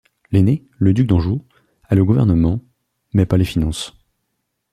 L'aîné, le duc d'Anjou, a le gouvernement, mais pas les finances.